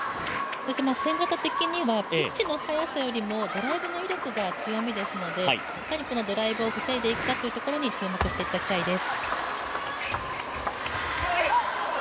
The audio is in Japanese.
そして戦型的にはピッチの速さよりもドライブの威力が強みですのでいかにドライブを防いでいくかというのに注目していただきたいです。